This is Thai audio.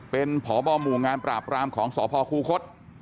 เป็นพบหมู่งานปราบรามของสพคูคศ